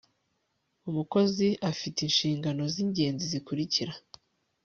umukozi afite inshingano z ingenzi zikurikira